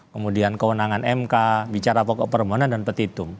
kemudian kewenangan mk bicara pokok permohonan dan petitum